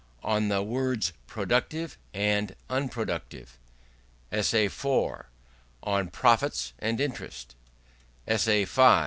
On the Words Productive and Unproductive ESSAY IV. On Profits, and Interest ESSAY V.